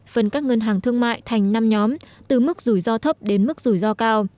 phần các ngân hàng thương mại thành năm nhóm từ mức rủi ro thấp đến mức rủi ro cao